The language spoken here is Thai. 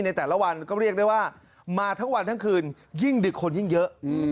ในแต่ละวันก็เรียกได้ว่ามาทั้งวันทั้งคืนยิ่งดึกคนยิ่งเยอะ